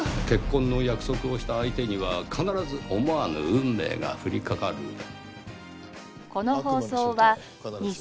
結婚の約束をした相手には必ず思わぬ運命が降りかかる。